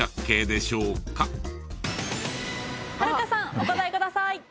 お答えください。